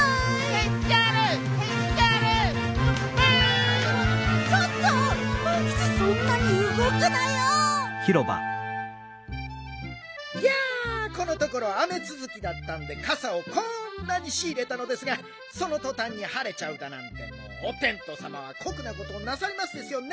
いやこのところ雨つづきだったんでかさをこんなにしいれたのですがそのとたんにはれちゃうだなんてもうおてんとうさまはこくなことをなさりますですよね